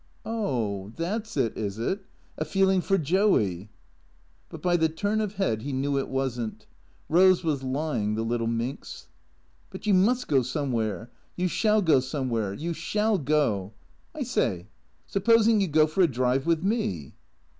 " Oh, that 's it, is it? A feeling for Joey ?" But by the turn of head he knew it was n't. Eose was lying, the little minx. " But you must go somewhere. You sliall go somewhere. You shall go — I say, supposing you go for a drive with me